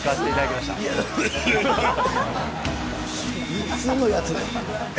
いつのやつ？